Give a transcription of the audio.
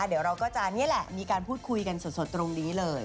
เดี๋ยวเราก็จะนี่แหละมีการพูดคุยกันสดตรงนี้เลย